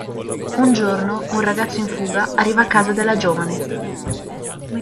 Un giorno un ragazzo in fuga arriva a casa della giovane.